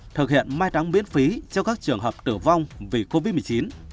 thực hiện mai đóng miễn phí cho các trường hợp tử vong vì covid một mươi chín